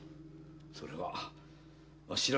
それはあっしら